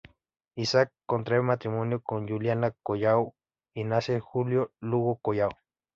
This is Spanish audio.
Isaac contrae matrimonio con Juliana Collao y nace Julio Lugo Collao.